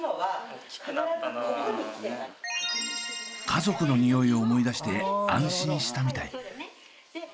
家族のニオイを思い出して安心したみたい。